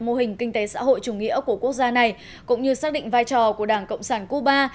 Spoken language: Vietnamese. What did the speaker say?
mô hình kinh tế xã hội chủ nghĩa của quốc gia này cũng như xác định vai trò của đảng cộng sản cuba